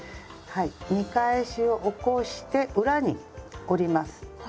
見返しを起こして裏に折ります。